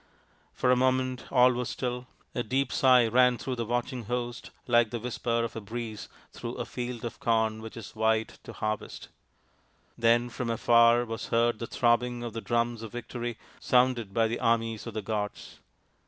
For a moment all was still a deep sigh ran through the watching host like the whisper of a breeze through a field of corn which is white to harvest. Then from afar was heard the throbbing of the Drums of Victory sounded by the armies of the gods.